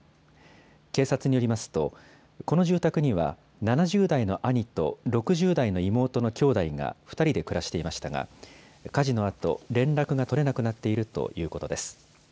警察によりますと、この住宅には７０代の兄と６０代の妹のきょうだいが２人で暮らしていましたが、火事のあと連絡が取れなくなっているということです。